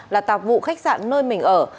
là tạp vụ khách sạn nơi mình ở